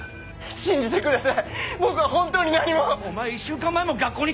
信じてください！